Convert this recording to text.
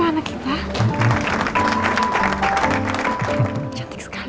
mama gak mau bantuin kamu